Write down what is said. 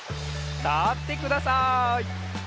たってください。